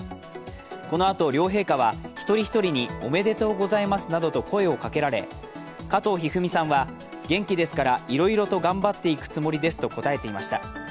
このあと、両陛下は一人一人におめでとうございますなどと声をかけられ加藤一二三さんは元気ですからいろいろと頑張っていくつもりですと答えていました。